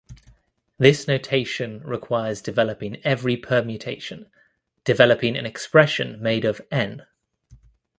This notation requires developing every permutation, developing an expression made of "n"!